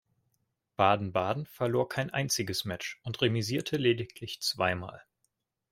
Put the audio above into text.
Baden-Baden verlor kein einziges Match und remisierte lediglich zweimal.